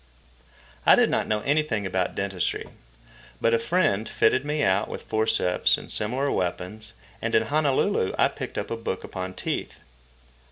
I did not know anything about dentistry, but a friend fitted me out with forceps and similar weapons, and in Honolulu I picked up a book upon teeth.